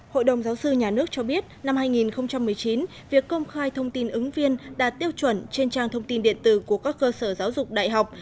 hội đồng giáo sư nhà nước cho biết năm hai nghìn một mươi chín việc công khai thông tin ứng viên đạt tiêu chuẩn trên trang thông tin điện tử của các cơ sở giáo dục đại học